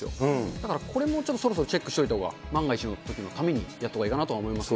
だからこれもちょっとそろそろチェックしといたほうが、万が一のときのためにやったほうがいいかなと思いますね。